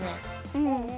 うん。